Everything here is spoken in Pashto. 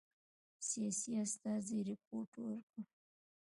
سیاسي استازي رپوټ ورکړ.